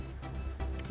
dan juga kembali ke bali